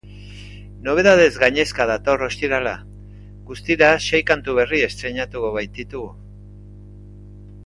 Nobedadez gainezka dator ostirala, guztira sei kantu berri estreinatuko baititugu.